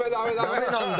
ダメなんだ。